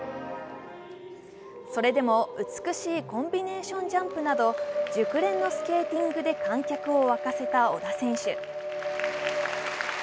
それでも美しいコンビネーションジャンプなど熟練のスケーティングで観客を沸かせた織田選手。